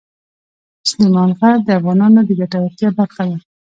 سلیمان غر د افغانانو د ګټورتیا برخه ده.